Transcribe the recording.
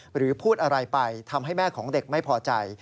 หรือพูดอะไรไปทำให้แม่ของเด็กไม่พอใจ